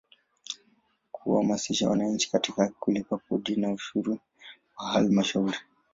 Kuhamasisha wananchi katika kulipa kodi na ushuru wa Halmashauri.